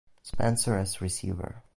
Spencer as receiver.